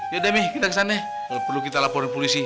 yaudah mih kita kesana perlu kita laporan polisi